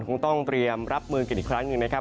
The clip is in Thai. คงต้องเตรียมรับมือกันอีกครั้งหนึ่งนะครับ